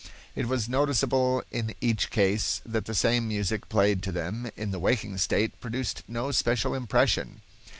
It was noticeable in each case that the same music played to them in the waking state produced no special impression.